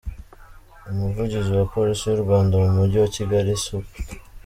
Umuvugizi wa Polisi y’u Rwanda mu Mujyi wa Kigali, Supt.